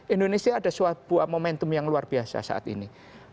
indonesia ada sebuah momentum yang luar biasa saat ini